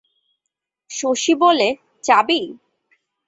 শশী বলে, চাবি?